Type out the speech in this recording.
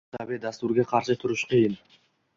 inson bu tabiiy dasturga qarshi turishi qiyin.